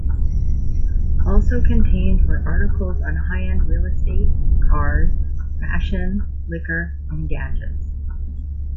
Also contained were articles on high end real estate, cars, fashion, liquor, and gadgets.